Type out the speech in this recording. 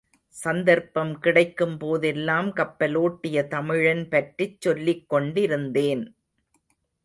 சந்தர்ப்பம் கிடைக்கும் போதெல்லாம் கப்பலோட்டிய தமிழன் பற்றிச் சொல்லிக்கொண்டிருந்தேன்.